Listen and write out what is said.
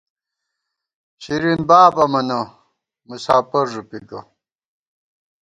شرین باب امَنہ، مساپر ݫُوپی گہ